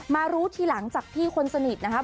มารู้ทีหลังจากพี่คนสนิทนะครับ